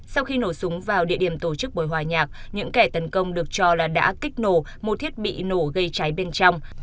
sau khi nổ súng vào địa điểm tổ chức buổi hòa nhạc những kẻ tấn công được cho là đã kích nổ một thiết bị nổ gây cháy bên trong